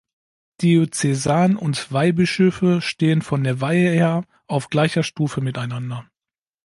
Diözesan- und Weihbischöfe stehen von der Weihe her auf gleicher Stufe miteinander.